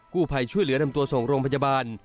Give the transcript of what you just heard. ผู้ภัยช่วยเหลือนำตัวส่งโรงพยาบาล